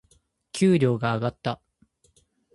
給料が上がった。